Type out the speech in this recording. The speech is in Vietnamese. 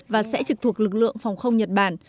và sẽ trực thuộc lực lượng phòng không nhật bản